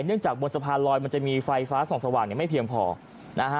จากบนสะพานลอยมันจะมีไฟฟ้าส่องสว่างเนี่ยไม่เพียงพอนะฮะ